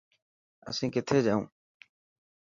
اسين ڪٿي جائون.